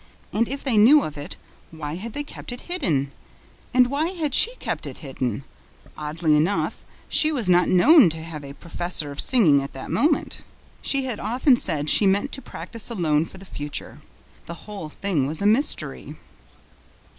And, if they knew of it, why had they kept it hidden? And why had she kept it hidden? Oddly enough, she was not known to have a professor of singing at that moment. She had often said she meant to practise alone for the future. The whole thing was a mystery.